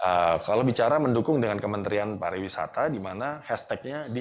kita tangkap kalau bicara mendukung dengan kementerian pariwisata dimana hashtagnya di